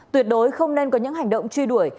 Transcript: tuyệt đối không nên có những hành động truy đuổi